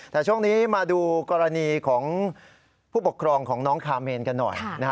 แต่ช่วงนี้มาดูกรณีของผู้ปกครองของน้องคาเมนกันหน่อย